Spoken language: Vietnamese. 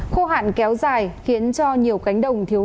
nói về năng nóng kéo dài khiến cho nhiều cánh đồng thiếu nước